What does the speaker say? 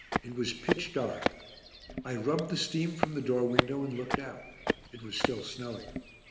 It was pitch dark. I rubbed the steam from the door window and looked out; it was still snowing.